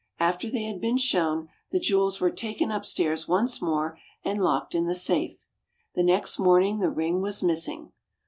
After they had been shown, the jewels were taken upstairs once more and locked in the safe. The next morning the ring was missing.